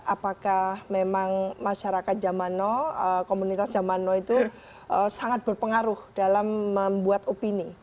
apakah memang masyarakat jamano komunitas jamano itu sangat berpengaruh dalam membuat opini